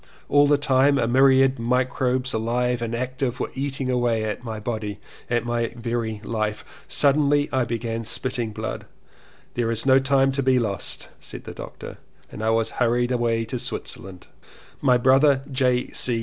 All the time a myriad microbes alive and active were eating away at my body, at my very life. Suddenly I began spitting blood, ''There is no time to be lost," said the doctor, and I was hurried away to Switzerland. My brother J.